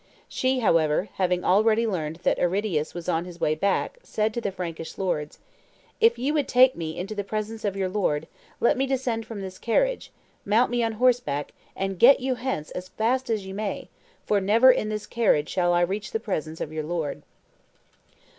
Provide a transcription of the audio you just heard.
She, however, having already learned that Aridius was on his way back, said to the Frankish lords, "If ye would take me into the presence of your lord, let me descend from this carriage, mount me on horseback, and get you hence as fast as ye may; for never in this carriage shall I reach the presence of your lord."